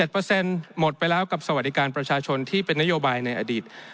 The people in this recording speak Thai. ๗เปอร์เซ็นต์หมดไปแล้วกับสวัสดิการประชาชนที่เป็นนโยบายในอดีต